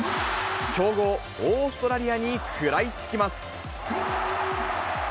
強豪オーストラリアに食らいつきます。